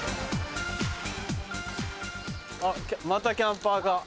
あっまたキャンパーが。